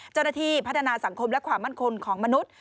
เจ้าหน้าที่พัฒนาสังคมและความมั่นคงของมนุษย์